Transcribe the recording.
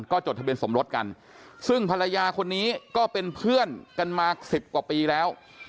ก็จดทะเบียนสมรสกันซึ่งภรรยาคนนี้ก็เป็นเพื่อนกันมาสิบกว่าปีแล้ว